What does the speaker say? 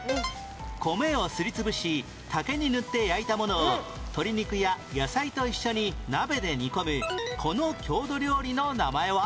米をすりつぶし竹に塗って焼いたものを鶏肉や野菜と一緒に鍋で煮込むこの郷土料理の名前は？